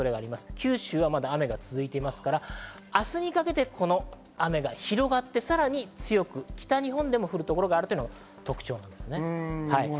九州はまだ続いていますから、明日にかけてこの雨が広がって、さらに強く北日本でも降る所があるというのが特徴です。